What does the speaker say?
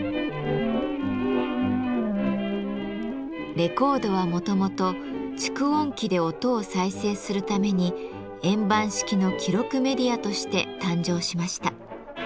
レコードはもともと蓄音機で音を再生するために円盤式の記録メディアとして誕生しました。